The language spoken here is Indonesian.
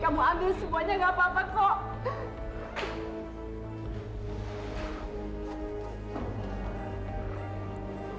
kamu ambil semuanya gak apa apa kok